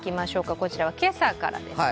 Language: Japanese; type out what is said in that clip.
こちらは今朝からですね。